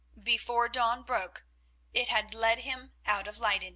Before dawn broke it had led him out of Leyden.